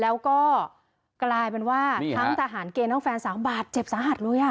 แล้วก็กลายเป็นว่าทั้งทหารเกณฑ์ทั้งแฟนสาวบาดเจ็บสาหัสเลย